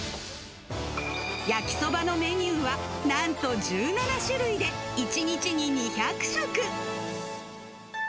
焼きそばのメニューは、なんと１７種類で、１日に２００食。